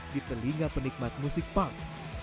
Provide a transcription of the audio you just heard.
di telinga penikmat musik punk